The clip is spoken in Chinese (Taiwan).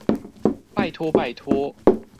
拜託拜託